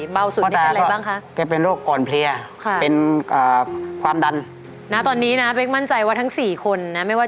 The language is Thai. เบาสุดนี่เป็นอะไรบ้างคะ